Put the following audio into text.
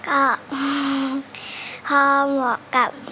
ก็คือร้องให้เหมือนเพลงเมื่อสักครู่นี้